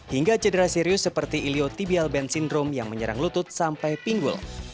hingga cedera serius seperti iliotibial band syndrome yang menyerang lutut sampai pinggul